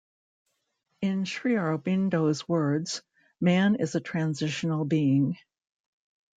In Sri Aurobindo's words: Man is a transitional being.